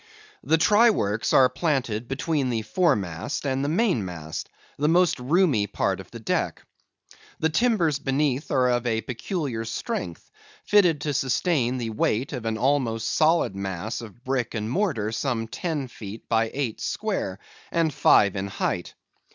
The try works are planted between the foremast and mainmast, the most roomy part of the deck. The timbers beneath are of a peculiar strength, fitted to sustain the weight of an almost solid mass of brick and mortar, some ten feet by eight square, and five in height.